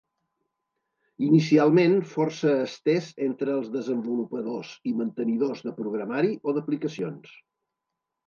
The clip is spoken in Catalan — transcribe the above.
Inicialment força estès entre els desenvolupadors i mantenidors de programari o d'aplicacions.